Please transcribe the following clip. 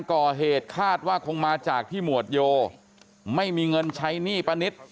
ก่อเหตุคาดว่าคงมาจากที่หมวดโยไม่มีเงินใช้หนี้ป้านิต